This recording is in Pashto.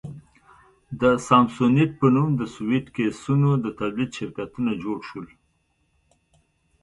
د سامسونیټ په نوم د سویټ کېسونو د تولید شرکتونه جوړ شول.